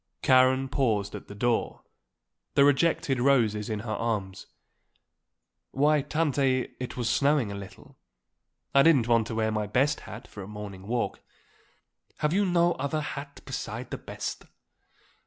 Karen paused at the door, the rejected roses in her arms. "Why, Tante, it was snowing a little; I didn't want to wear my best hat for a morning walk." "Have you no other hat beside the best?"